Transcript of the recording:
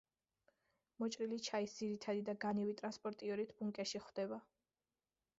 მოჭრილი ჩაის ძირითადი და განივი ტრანსპორტიორით ბუნკერში ხვდება.